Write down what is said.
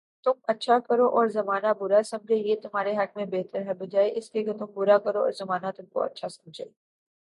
تم اچھا کرو اور زمانہ برا سمجھے، یہ تمہارے حق میں بہتر ہے بجائے اس کے تم برا کرو اور زمانہ تم کو اچھا سمجھے